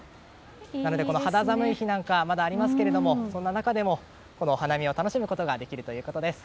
なので肌寒い日なんかがまだありますけれどもそんな中でも花見を楽しむことができるということです。